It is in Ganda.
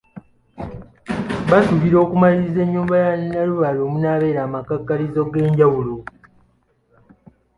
Basuubira okumaliriza ennyumba Nalubaale omunaabeera amakakkalabizo ag’enjawulo.